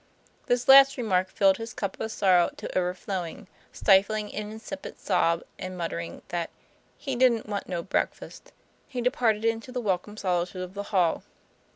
This last remark filled his cup of sorrow to over flowing; stifling an incipient sob and muttering that TOM PLA YFA1R. he "didn't want no breakfast," he departed into the welcome solitude of the hall.